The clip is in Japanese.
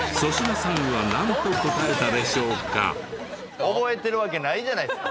じゃあこの時覚えてるわけないじゃないですか。